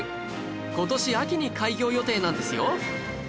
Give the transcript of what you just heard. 今年秋に開業予定なんですよ